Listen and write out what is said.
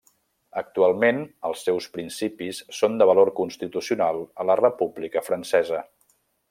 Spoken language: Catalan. Actualment, els seus principis són de valor constitucional a la República Francesa.